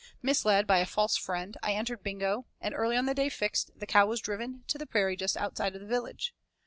Misled by a false friend, I entered Bingo, and early on the day fixed, the cow was driven to the prairie just outside of the village.